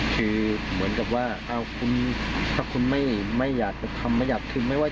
คือเหมือนกับว่าอ้าวคุณถ้าคุณไม่ไม่อยากจะทำไมหยัดคือไม่ไหว